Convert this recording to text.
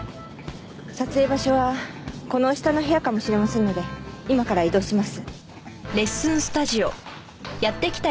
撮影場所はこの下の部屋かもしれませんので今から移動します。